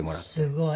すごい。